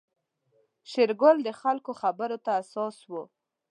شېرګل د خلکو خبرو ته حساس و.